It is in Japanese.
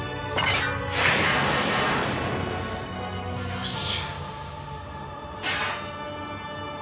よし。